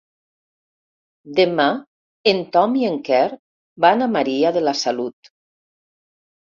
Demà en Tom i en Quer van a Maria de la Salut.